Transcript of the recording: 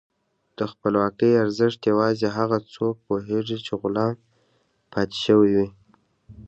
د خپلواکۍ ارزښت یوازې هغه څوک پوهېږي چې غلام پاتې شوي وي.